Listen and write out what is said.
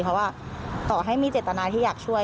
เพราะว่าต่อให้มีเจตนาที่อยากช่วย